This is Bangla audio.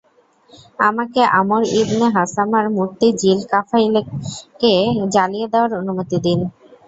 আমাকে আমর ইবনে হাসামার মূর্তি যিল কাফাইলকে জ্বালিয়ে দেয়ার অনুমতি দিন।